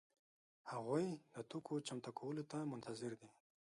هغوی د توکو چمتو کولو ته منتظر دي.